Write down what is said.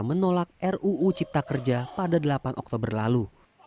menolak ruu cipta kerja pada delapan oktober lalu